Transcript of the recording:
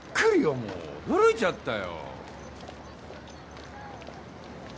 もう驚いちゃったよ。